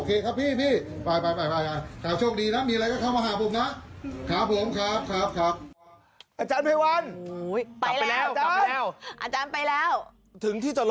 เอาไปเล่นเพจเล่นไลน์น่ะนะโอเคผมให้ฟรี